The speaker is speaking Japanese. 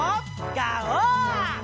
ガオー！